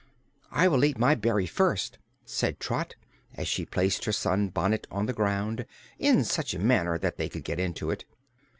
"I will eat my berry first," said Trot, as she placed her sunbonnet on the ground, in such manner that they could get into it.